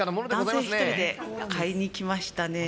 男性１人で買いに来ましたね。